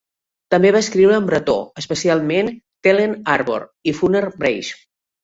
També va escriure en bretó, especialment "Telenn-Arvor" i "Furnez Breiz".